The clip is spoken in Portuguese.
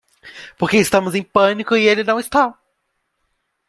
Porque estamos em pânico e ele não está.